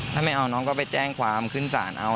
ถ้าไม่เอาน้องก็ไปแจ้งความขึ้นศาลเอา